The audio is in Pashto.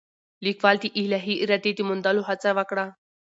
لیکوال د الهي ارادې د موندلو هڅه وکړه.